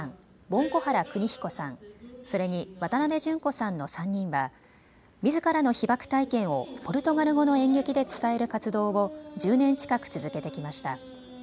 盆子原邦彦さん、それに渡辺淳子さんの３人は、みずからの被爆体験をポルトガル語の演劇で伝える活動を１０年近く続けてきました。